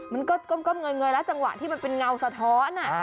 มันก็ก้มเงยแล้วจังหวะที่มันเป็นเงาสะท้อน